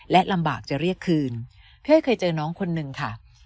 และลำบากจะเรียกคืนพี่อ้อยเคยเจอน้องคนนึงค่ะ